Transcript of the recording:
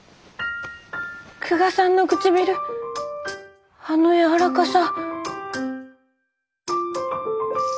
久我さんの唇あの柔らかさ。